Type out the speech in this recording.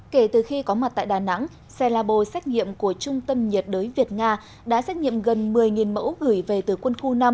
kể từ khi có mặt tại đà nẵng xe labo xét nghiệm của trung tâm nhiệt đới việt nga đã xét nghiệm gần một mươi mẫu gửi về từ quân khu năm